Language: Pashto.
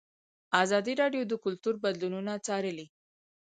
ازادي راډیو د کلتور بدلونونه څارلي.